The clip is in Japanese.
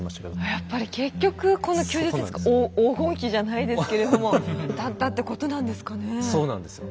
やっぱり結局この９０ｃｍが黄金比じゃないですけれどもだったってことなんですかね。